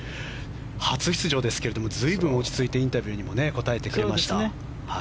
初出場ですけれども随分落ち着いてインタビューにも答えてくれました。